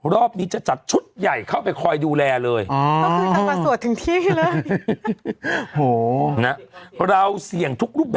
รอบนี้จะจัดชุดใหญ่เข้าไปคอยดูแลเลย